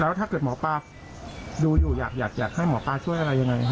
แล้วถ้าเกิดหมอปลาดูอยู่อยากให้หมอปลาช่วยอะไรยังไง